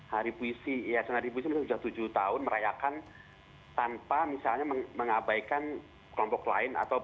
hari puisi yayasan seribu ini sudah tujuh tahun merayakan tanpa misalnya mengabaikan kelompok lain